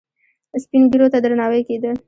سپین ږیرو ته درناوی کیده